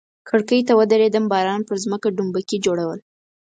کړکۍ ته ودریدم، باران پر مځکه ډومبکي جوړول.